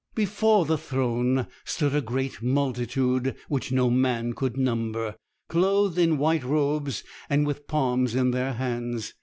Before the throne stood a great multitude, which no man could number, clothed in white robes, and with palms in their hands.